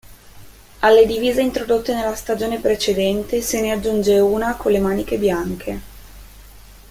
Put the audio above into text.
Alle divise introdotte nella stagione precedente se ne aggiunge una con le maniche bianche.